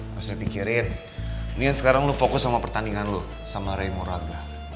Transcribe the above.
harus dipikirin ini yang sekarang lo fokus sama pertandingan lo sama ray moraga